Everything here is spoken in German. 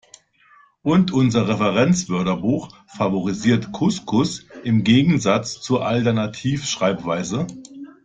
Und unser Referenzwörterbuch favorisiert Couscous im Gegensatz zur Alternativschreibweise.